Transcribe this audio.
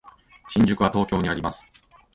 新宿は東京にあります。